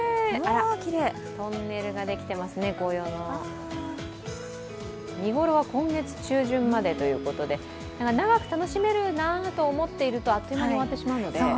トンネルができてますね、紅葉の見頃は今月中旬までということで長く楽しめるなあと思っていると、あっという間に終わってしまうので。